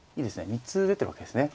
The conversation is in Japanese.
３つ出てるわけですね。